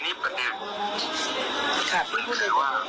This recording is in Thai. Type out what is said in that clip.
แล้วต้องเงินมาให้พี่ช่วยพี่เดือดตาม๑๕ล้าน